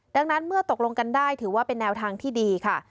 ดังนั้นเมื่อตกลงกันได้ถือว่าเป็นแนวทางที่ดีค่ะ